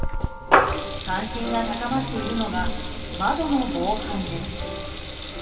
関心が高まっているのが窓の防犯です。